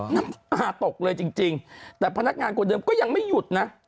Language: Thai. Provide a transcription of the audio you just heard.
น้ำตาตกเลยจริงแต่พนักงานคนเดิมก็ยังไม่หยุดนะ